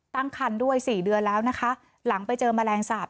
ตั้งคันด้วยสี่เดือนแล้วนะคะหลังไปเจอแมลงสาป